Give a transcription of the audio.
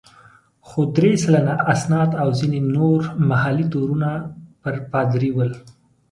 خو درې سلنه اسناد او ځینې نور محلي تورونه پر پادري ول.